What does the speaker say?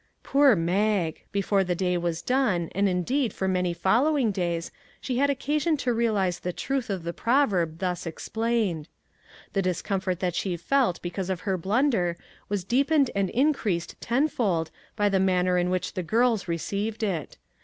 Poor Mag ! before the day was done, and in deed for many following days, she had occa sion to realize the truth of the proverb thus ex plained. The discomfort that she felt because 333 MAG AND MARGARET of her blunder was deepened and increased ten fold by the manner in which the girls received it.